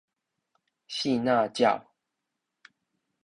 爍爁鳥